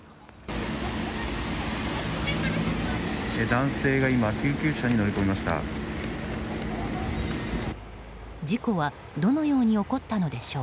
男性が今、救急車に乗り込みました。